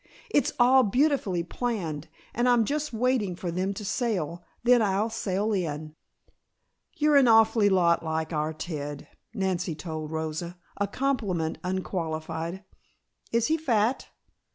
It's all beautifully planned and I'm just waiting for them to sail, then I'll sail in." "You're an awful lot like our Ted," Nancy told Rosa, a compliment unqualified. "Is he fat?"